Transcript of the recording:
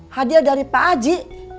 hadiah dari pak aji